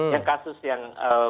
yang kasus yang